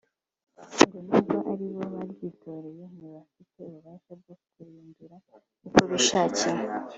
ngo nubwo aribo baryitoreye ntibafite ububasha bwo kurihindura uko bishakiye